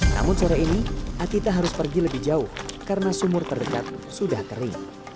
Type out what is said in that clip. namun sore ini atita harus pergi lebih jauh karena sumur terdekat sudah kering